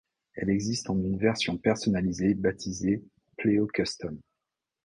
Elle existe en une version personnalisée baptisée Pleo Custom.